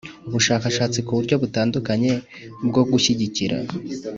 ubushakashatsi ku buryo butandukanye bwo gushyigikira